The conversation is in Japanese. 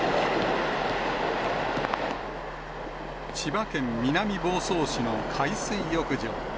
千葉県南房総市の海水浴場。